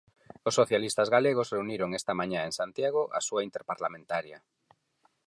Os socialistas galegos reuniron esta mañá en Santiago a súa Interparlamentaria.